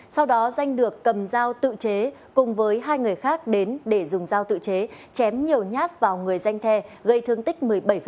sau đó danh được cầm dao tự chế cùng với hai người khác đến để dùng dao tự chế chém nhiều nhát vào người danh the gây thương tích một mươi bảy